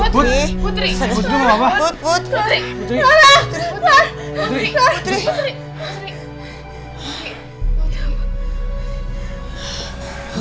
putri mau apa